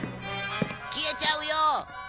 消えちゃうよ！